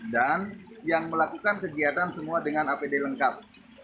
dan yang melakukan kegiatan semua dengan apd lengkap